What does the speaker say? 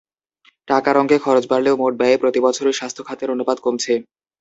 টাকার অঙ্কে খরচ বাড়লেও মোট ব্যয়ে প্রতিবছরই স্বাস্থ্য খাতের অনুপাত কমছে।